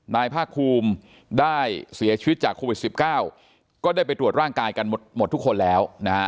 นายภาคภูมิได้เสียชีวิตจากโควิด๑๙ก็ได้ไปตรวจร่างกายกันหมดทุกคนแล้วนะฮะ